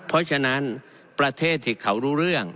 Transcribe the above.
เพราะฉะนั้นประเทศที่เขารู้เรื่อง